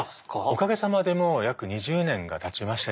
おかげさまでもう約２０年がたちましてですね